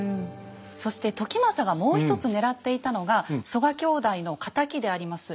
そして時政がもう一つ狙っていたのが曽我兄弟の敵であります